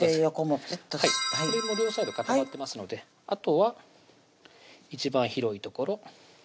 これで両サイド固まってますのであとは一番広い所